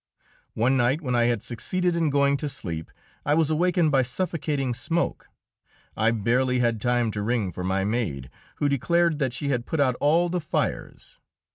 One night, when I had succeeded in going to sleep, I was awakened by suffocating smoke. I barely had time to ring for my maid, who declared that she had put out all the fires.